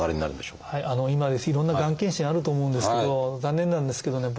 今いろんながん検診あると思うんですけど残念なんですけどね